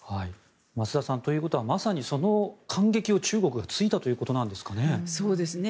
増田さん、ということはまさにその間隙を中国が突いたということなんですかね。